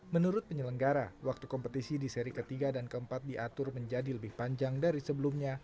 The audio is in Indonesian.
menurut penyelenggara waktu kompetisi di seri ketiga dan keempat diatur menjadi lebih panjang dari sebelumnya